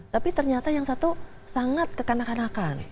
tapi ternyata yang satu sangat kekanak kanakan